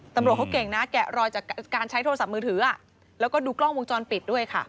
ตำรวจเขาเก่งนะแกะรอยจากการใช้โทรศัพท์มือถือแล้วก็ดูกล้องวงจรปิดด้วยค่ะ